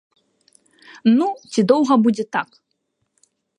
Ну, ці доўга будзе так?!